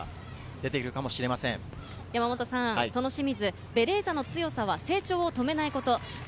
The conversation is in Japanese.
清水はベレーザの強さは成長を止めないこと。